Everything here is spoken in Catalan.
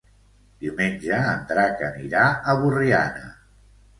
Diumenge en Drac anirà a Borriana.